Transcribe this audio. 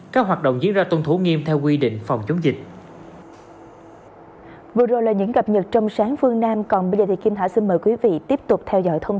các hoạt động diễn ra tuân thủ nghiêm theo quy định phòng chống dịch